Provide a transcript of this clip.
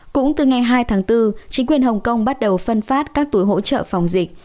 cũng từ ngày hai tháng bốn chính quyền hồng kông bắt đầu phân phát các túi hỗ trợ phòng dịch